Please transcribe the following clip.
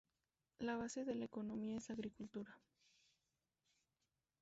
La base de la Economía es la agricultura.